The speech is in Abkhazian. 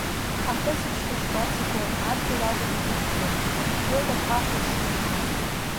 Ахысыбжьқәа шгац игон, адгьыл акәын агәы ԥжәон, иԥжәоит ахаҳә уршыргьы.